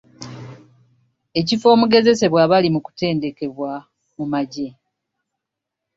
Ekifo omugezesebwa abali mu kutendekebwa mu magye.